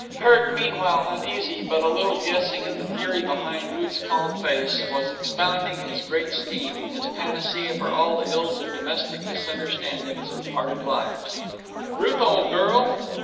Kirk, meanwhile, uneasy, but a little guessing at the fury behind Ruth's calm face, was expounding his great scheme, his panacea for all the ills of domestic misunderstandings and parted lives. "Ruth, old girl."